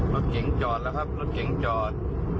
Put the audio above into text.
รถเก่งจอดแล้วครับรถเก๋งจอด